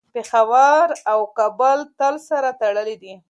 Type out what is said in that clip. پېښور او کابل تل سره تړلي دي.